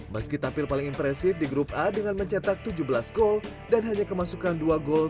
meski tampil paling impresif di grup a dengan mencetak tujuh belas gol dan hanya kemasukan dua gol